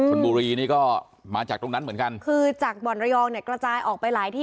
ชนบุรีนี่ก็มาจากตรงนั้นเหมือนกันคือจากบ่อนระยองเนี่ยกระจายออกไปหลายที่